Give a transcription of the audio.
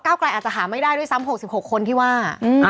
ไกลอาจจะหาไม่ได้ด้วยซ้ำ๖๖คนที่ว่า